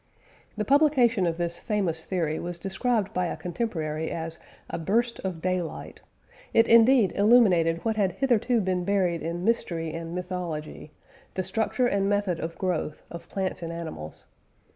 The publication of this famous theory was described by a contemporary as "a burst of daylight"; it indeed illuminated what had hitherto been buried in mystery and mythology the structure and method of growth of plants and animals.